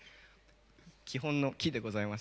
基本の「き」でございます。